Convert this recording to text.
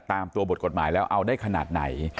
ตามตัวบทกฎหมายแล้วเอาได้ขนาดไหน